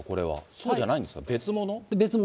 そうじゃないんですか、別物？